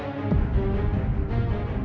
ya aku harus berhasil